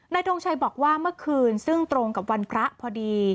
ทงชัยบอกว่าเมื่อคืนซึ่งตรงกับวันพระพอดี